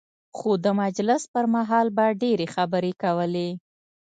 خو د مجلس پر مهال به ډېرې خبرې کولې.